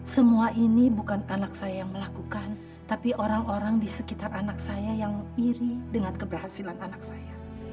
semua ini bukan anak saya yang melakukan tapi orang orang di sekitar anak saya yang iri dengan keberhasilan anak saya